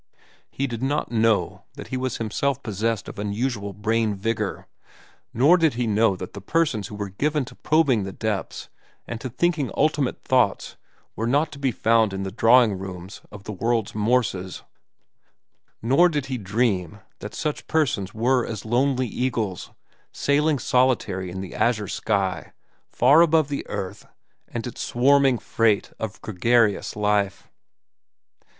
He did not know that he was himself possessed of unusual brain vigor; nor did he know that the persons who were given to probing the depths and to thinking ultimate thoughts were not to be found in the drawing rooms of the world's Morses; nor did he dream that such persons were as lonely eagles sailing solitary in the azure sky far above the earth and its swarming freight of gregarious life.